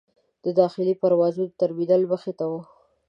د داخلي پروازونو ترمینل مخې ته و.